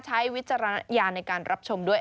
วิจารณญาณในการรับชมด้วย